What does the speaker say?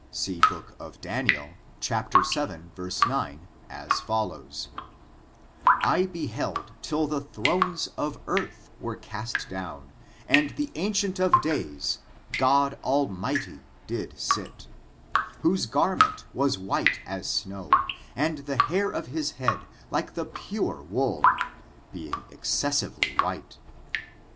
See book of Daniel, chap, vii, 9, as follows: "I beheld till the thrones [of earth] were cast down, and the Ancient of I FORTUNES, OF THE NEGRO RACE 165 days [God Almighty] did sit, whose gannent was white as snow^ and the hair of his head like the pure wool," being excessively white.